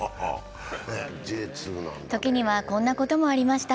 時にはこんなこともありました。